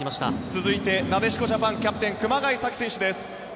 続いてなでしこジャパンキャプテン熊谷紗希選手です。